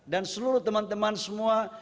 dan seluruh teman teman semua